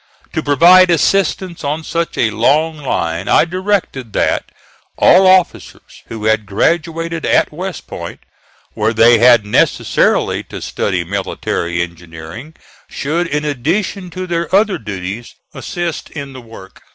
To provide assistants on such a long line I directed that all officers who had graduated at West Point, where they had necessarily to study military engineering, should in addition to their other duties assist in the work.